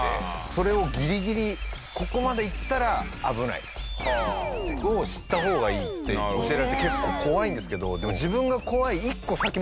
それをギリギリここまで行ったら危ないを知った方がいいって教えられて結構怖いんですけどでも。